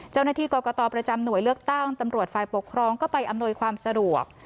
เจ้าหน้าที่กรกตประจำหน่วยเลือกตั้งตำรวจฝ่ายปกครองก็ไปอำนวยความสะดวก